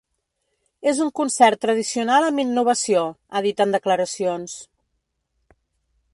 És un concert tradicional amb innovació, ha dit en declaracions.